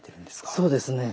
そうですね